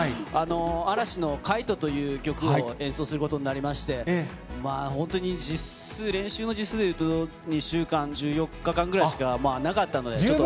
嵐のカイトという曲を演奏することになりまして、本当に実数、練習の実数でいうと、２週間、１４日間ぐらいしかなかったので、ちょっと。